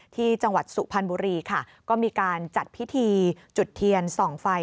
ที่จังหวัดสุพรรณบุรีค่ะก็มีการจัดพิธีจุดเทียนส่องไฟ